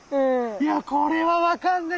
いやこれは分かんない。